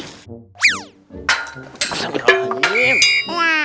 sabisi kalau ngajin